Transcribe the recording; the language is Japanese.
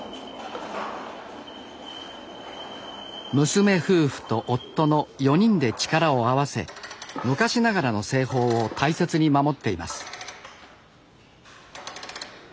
娘夫婦と夫の４人で力を合わせ昔ながらの製法を大切に守っています。